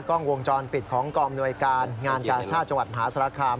กล้องวงจรปิดของกองอำนวยการงานกาชาติจังหวัดมหาศาลคาม